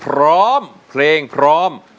พร้อมเพลงพร้อม